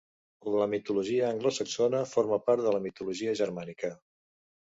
La mitologia anglosaxona forma part de la mitologia germànica.